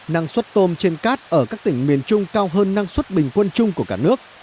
năng suất tôm trên cát ở các tỉnh miền trung cao hơn năng suất bình quân chung của cả nước